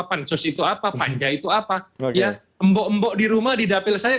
pan sus itu apa